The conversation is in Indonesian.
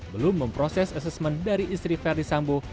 belum memproses asesmen dari istri verdi sambo